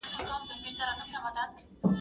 زه اوس کتابونه لوستم!.